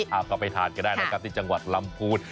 เอาก็ไปทานกันได้นะครับที่จังหวัดลำพูน